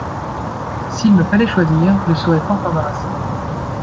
S’il me fallait choisir, je serais fort embarrassée.